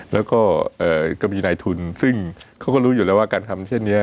แล้วก็ก็มีนายทุนซึ่งเขาก็รู้อยู่แล้วว่าการทำเช่นนี้